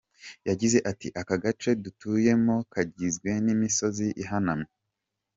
Yagize ati “Aka gace dutuyemo kagizwe n’imisozi ihanamye.